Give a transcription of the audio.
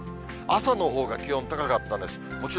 朝のほうが気温高かったです。